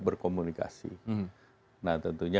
berkomunikasi nah tentunya